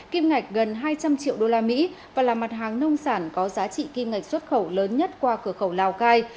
kim ngạch gần hai trăm linh triệu usd và là mặt hàng nông sản có giá trị kim ngạch xuất khẩu lớn nhất qua cửa khẩu lào cai